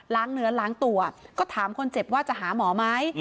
เนื้อล้างตัวก็ถามคนเจ็บว่าจะหาหมอไหม